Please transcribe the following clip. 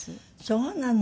そうなの！